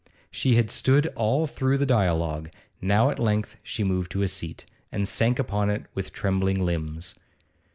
She had stood all through the dialogue; now at length she moved to a seat, and sank upon it with trembling limbs.